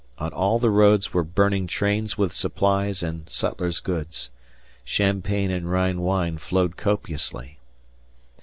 On all the roads were burning trains with supplies and sutlers' goods. Champagne and Rhine wine flowed copiously.